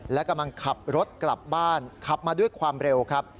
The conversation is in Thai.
และกำลังขับรถกลับบ้านขับมาด้วยความเร็วครับ